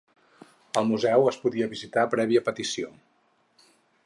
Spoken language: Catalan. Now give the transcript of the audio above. El museu es podia visitar prèvia petició.